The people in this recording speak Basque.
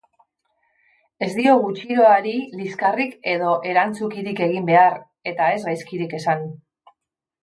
Ez diogu txiroari liskarrik edo erantzukirik egin behar eta ez gaizkirik esan.